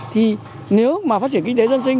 thì nếu mà phát triển kinh tế dân sinh